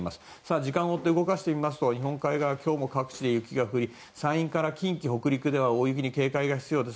時間を追って動かしてみますと日本海側、今日も各地で雪が降り山陰から近畿・北陸には大雪に警戒が必要です。